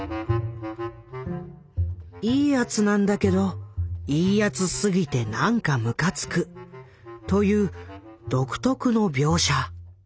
「いいやつ」なんだけど「いいやつ」すぎてなんかむかつくという独特の描写。